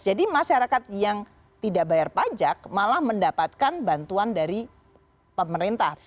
jadi masyarakat yang tidak bayar pajak malah mendapatkan bantuan dari pemerintah